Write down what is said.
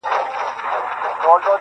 • خپل قسمت په هیڅ صورت نه ګڼي جبر -